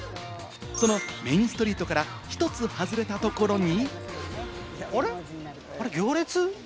そのメインストリートからひとつ外れたところに。